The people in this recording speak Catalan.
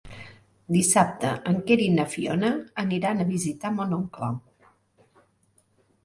Dissabte en Quer i na Fiona aniran a visitar mon oncle.